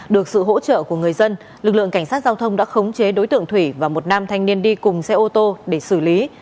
được sự hỗ trợ của người dân lực lượng cảnh sát giao thông đã khống chế đối tượng thủy và một nam thanh niên đi cùng xe ô tô để xử lý